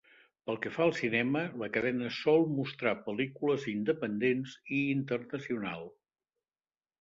Pel que fa al cinema, la cadena sol mostrar pel·lícules independents i internacional.